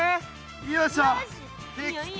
よいしょできた。